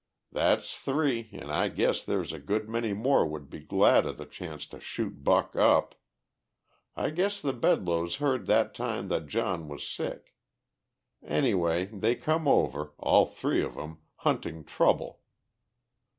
That's three an' I guess there's a good many more would be glad of the chance to shoot Buck up. I guess the Bedloes heard that time that John was sick. Anyway, they come over, all three of 'em, hunting trouble.